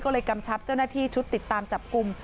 ก็เลยกำชับเจ้าหน้าที่ชุดติดตามจับกลุ่ม